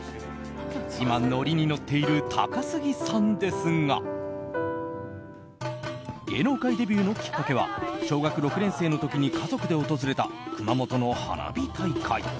今、ノリにのっている高杉さんですが芸能界デビューのきっかけは小学校６年生の時に家族で訪れた熊本の花火大会。